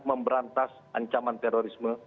memberantas ancaman terorisme